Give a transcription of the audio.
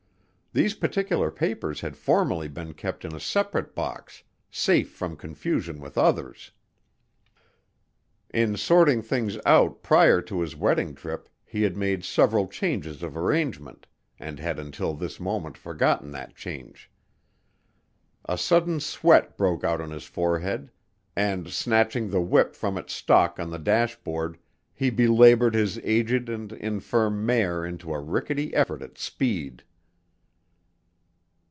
These particular papers had formerly been kept in a separate box safe from confusion with others. In sorting things out prior to his wedding trip he had made several changes of arrangement and had until this moment forgotten that change. A sudden sweat broke out on his forehead and, snatching the whip from its stalk on the dashboard, he belabored his aged and infirm mare into a rickety effort at speed.